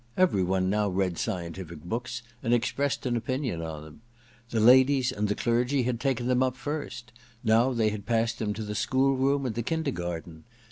Every one now read scientific books and expressed an opinion on them. The ladies and the clergy had taken them up first ; now they had passed to the schoolroom and the kindergarten.